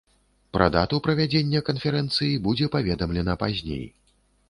Пра дату правядзення канферэнцыі будзе паведамлена пазней.